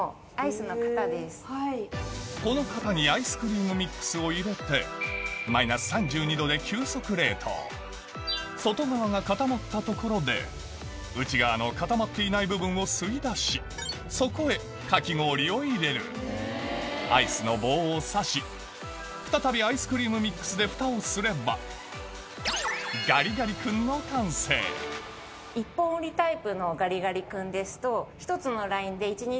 この型にアイスクリームミックスを入れて外側が固まったところで内側の固まっていない部分を吸い出しそこへかき氷を入れるアイスの棒を刺し再びアイスクリームミックスでフタをすればガリガリ君の１本売りタイプのガリガリ君ですと１つのラインで。